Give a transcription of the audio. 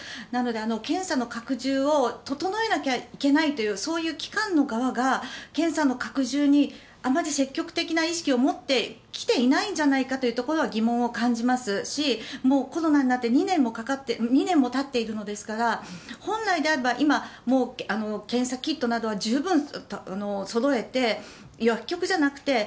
なので検査の拡充を整えなきゃいけないというそういう機関の側が検査の拡充にあまり積極的な意識を持ってきていないんじゃないかと疑問を感じますしコロナになって２年もたっているのですから本来であれば今検査キットなどは十分そろえて薬局じゃなくて